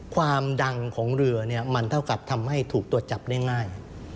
ความดังของเรือเนี่ยมันเท่ากับทำให้ถูกตัวจับได้ง่าย